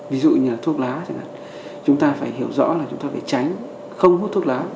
ví dụ như thuốc lá chúng ta phải hiểu rõ là chúng ta phải tránh không hút thuốc lá